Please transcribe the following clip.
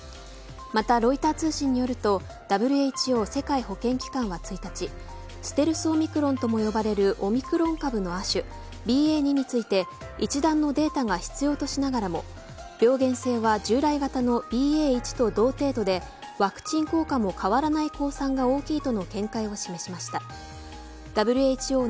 また、ロイター通信によるとＷＨＯ世界保健機関は１日ステルスオミクロンとも呼ばれるオミクロンの亜種ＢＡ．２について、一段のデータが必要としながらも病原性は従来型のＢＡ．１と同程度でワクチン効果も変わらない公算が大きいとの見解を示しました。